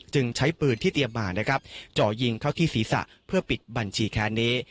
จึงใช้เปลือนที่เตรียมมาจ่อยิงเขาที่ศีรษะเพื่อปิดบัญชีแค้นนี้